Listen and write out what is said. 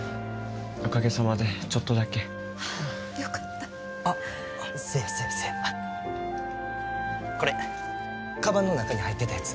おかげさまでちょっとだけあっよかったあっせやせやせやこれかばんの中に入ってたやつ